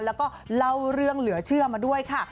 แล้วก็เล่าเรื่องเหลือเชื่อมาด้วยค่ะ